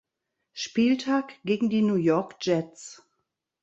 Spieltag gegen die New York Jets.